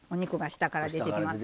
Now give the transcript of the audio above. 下から出てきました。